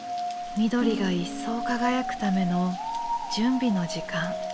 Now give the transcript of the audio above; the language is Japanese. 緑が一層輝くための準備の時間。